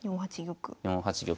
４八玉。